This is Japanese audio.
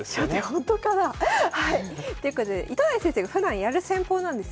本当かなあ？ということで糸谷先生がふだんやる戦法なんですよね。